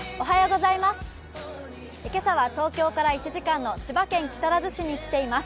おはようございます、今朝は東京から１時間の千葉県木更津市に来ています。